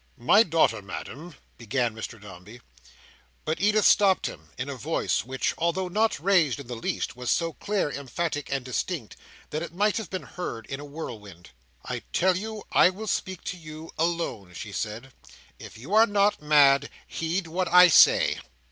"My daughter, Madam"—began Mr Dombey. But Edith stopped him, in a voice which, although not raised in the least, was so clear, emphatic, and distinct, that it might have been heard in a whirlwind. "I tell you I will speak to you alone," she said. "If you are not mad, heed what I say."